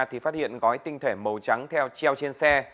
thì phát hiện gói tinh thể màu trắng theo treo trên xe